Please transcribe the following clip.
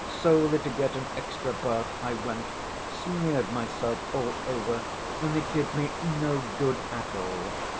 Solely to get an extra bath I went, smeared myself all over and it did me no good at all.